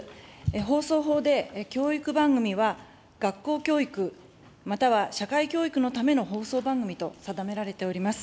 放送法で教育番組は学校教育、または社会教育のための放送番組と定められております。